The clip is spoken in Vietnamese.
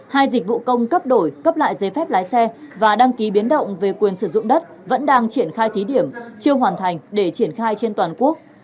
hai dịch vụ công cấp đổi cấp lại giấy phép lái xe và đăng ký biến động về quyền sử dụng đất vẫn đang triển khai thí điểm chưa hoàn thành để triển khai trên toàn quốc